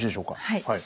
はい。